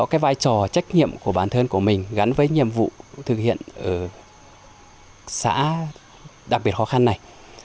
cái vai trò trách nhiệm của bản thân của mình gắn với nhiệm vụ thực hiện ở xã đặc biệt khó khăn này